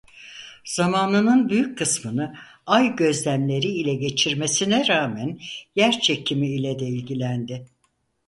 Zamanının büyük kısmını ay gözlemleri ile geçirmesine rağmen yer çekimi ile de ilgilendi.